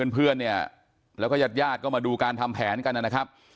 เพื่อนเนี่ยแล้วก็ญาติญาติก็มาดูการทำแผนกันนะครับ